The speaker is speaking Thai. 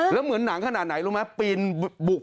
แล้วเหมือนหนังขนาดไหนรู้ไหมปีนบุก